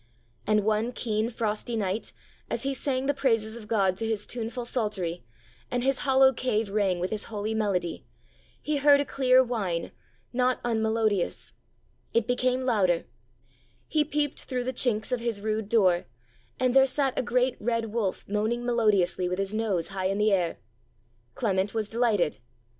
'And one keen frosty night, as he sang the praises of God to his tuneful psaltery, and his hollow cave rang with his holy melody, he heard a clear whine, not unmelodious. It became louder. He peeped through the chinks of his rude door, and there sat a great red wolf moaning melodiously with his nose high in the air! Clement was delighted.